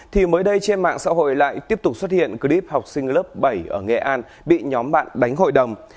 thì mới đây trên mạng xã hội lại tiếp tục xuất hiện clip học sinh lớp bảy ở nghệ an bị nhóm bạn đánh hội đồng